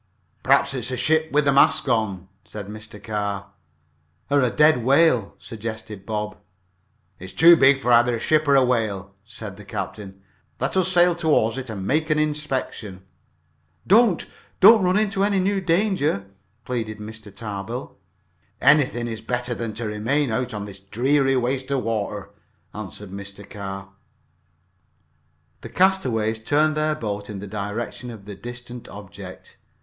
"Perhaps it's a ship with the masts gone," said Mr. Carr. "Or a dead whale," suggested Bob. "It's too big for either a ship or a whale," said the captain. "Let us sail toward it and make an inspection." "Don't don't run into any new danger!" pleaded Mr. Tarbill. "Anything is better than to remain out on this dreary waste of waters," answered Mr. Carr. The castaways turned their boat in the direction of the distant object.